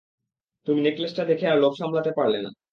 তুমি নেকলেসটা দেখে আর লোভ সামলাতে পারলে না।